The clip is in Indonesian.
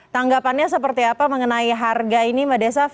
tanggapannya seperti apa mengenai harga ini mbak desaf